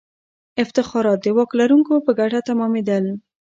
افتخارات د واک لرونکو په ګټه تمامېدل.